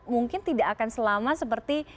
mungkin tidak akan selama seperti